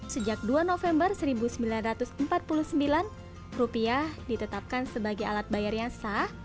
sejak dua november seribu sembilan ratus empat puluh sembilan rupiah ditetapkan sebagai alat bayar yang sah